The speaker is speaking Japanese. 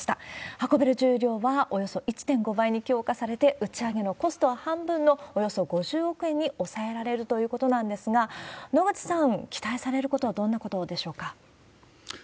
運べる重量はおよそ１．５倍に強化されて、打ち上げのコストは半分のおよそ５０億円に抑えられるということなんですが、野口さん、期待されることはどんなことでしょうか。